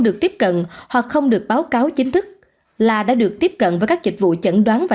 được tiếp cận hoặc không được báo cáo chính thức là đã được tiếp cận với các dịch vụ chẩn đoán và